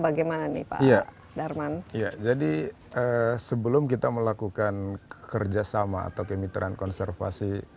bagaimana nih pak darman ya jadi sebelum kita melakukan kerjasama atau kemitraan konservasi